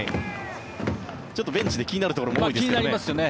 ちょっとベンチで気になるところも多いですよね。